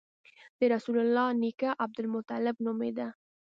د رسول الله نیکه عبدالمطلب نومېده.